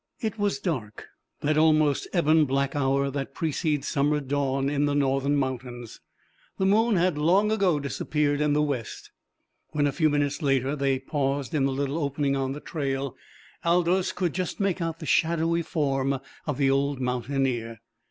It was dark that almost ebon black hour that precedes summer dawn in the northern mountains. The moon had long ago disappeared in the west. When a few minutes later they paused in the little opening on the trail Aldous could just make out the shadowy form of the old mountaineer.